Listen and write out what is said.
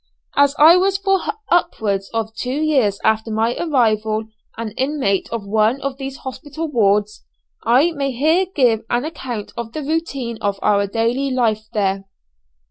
As I was for upwards of two years after my arrival an inmate of one of these hospital wards, I may here give an outline of the routine of our daily life there.